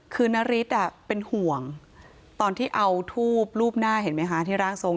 คือนาริสเป็นห่วงตอนที่เอาทูบรูปหน้าเห็นไหมคะที่ร่างทรง